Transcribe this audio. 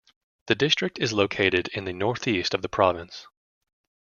The district is located in the northeast of the province.